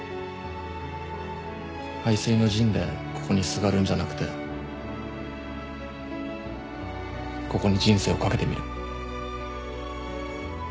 背水の陣でここにすがるんじゃなくてここに人生を懸けてみる。